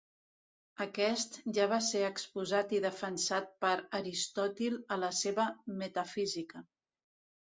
Aquest ja va ser exposat i defensat per Aristòtil a la seva Metafísica.